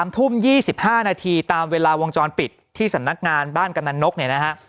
๓ทุ่ม๒๕นาทีตามเวลาวงจรปิดที่สำนักงานบ้านกำนันนกเนี่ยนะฮะ